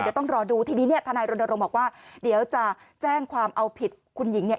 เดี๋ยวต้องรอดูทีนี้เนี่ยทนายรณรงค์บอกว่าเดี๋ยวจะแจ้งความเอาผิดคุณหญิงเนี่ย